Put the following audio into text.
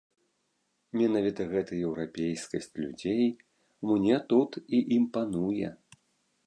Менавіта гэта еўрапейскасць людзей мне тут і імпануе.